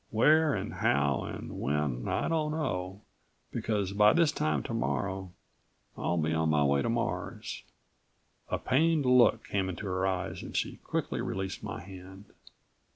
Where and how and when I don't know, because by this time tomorrow I'll be on my way to Mars." A pained look came into her eyes and she quickly released my hand.